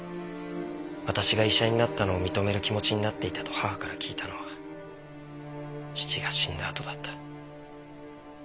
私が医者になったのを認める気持ちになっていたと母から聞いたのは父が死んだあとだった。